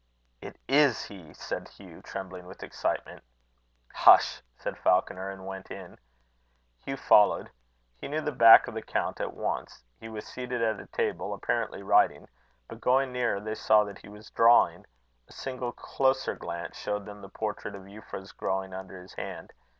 "It is he!" said Hugh, trembling with excitement. "Hush!" said Falconer, and went in. Hugh followed. He knew the back of the count at once. He was seated at a table, apparently writing; but, going nearer, they saw that he was drawing. A single closer glance showed them the portrait of Euphra growing under his hand.